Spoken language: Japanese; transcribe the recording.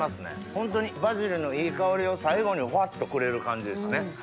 ホントにバジルのいい香りを最後にほわっとくれる感じですね。